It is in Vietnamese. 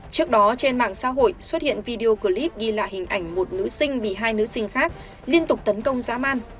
trước đó trên mạng xã hội xuất hiện video clip ghi lại hình ảnh một nữ sinh bị hai nữ sinh khác liên tục tấn công giã man